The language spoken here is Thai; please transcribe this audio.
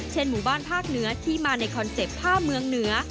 หมู่บ้านภาคเหนือที่มาในคอนเซ็ปต์ผ้าเมืองเหนือ